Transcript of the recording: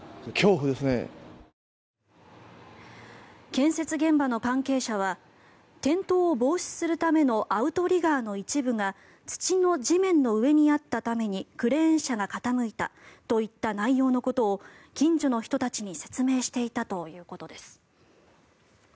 建設現場の関係者は転倒を防止するためのアウトリガーの一部が土の地面の上にあったためにクレーン車が傾いたといった内容のことを近所の人たちに説明していたということです。